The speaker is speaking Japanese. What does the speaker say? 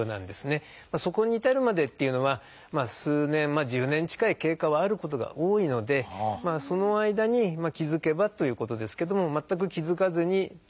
そこに至るまでっていうのは数年まあ１０年近い経過はあることが多いのでその間に気付けばということですけども全く気付かずにっていう方もいます。